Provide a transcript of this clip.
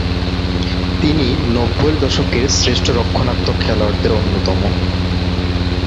তিনি নব্বইয়ের দশকের শ্রেষ্ঠ রক্ষণাত্মক খেলোয়াড়দের অন্যতম।